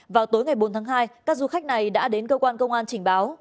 vào tối ngày bốn tháng hai các du khách này đã đến cơ quan công an trình báo